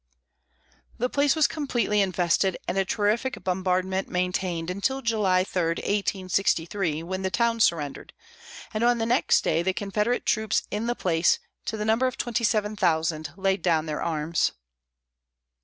The place was completely invested and a terrific bombardment maintained until July 3, 1863, when the town surrendered, and on the next day, the Confederate troops in the place, to the number of twenty seven thousand, laid down their arms.